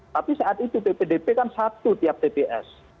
tapi saat itu ppdp kan satu tiap tps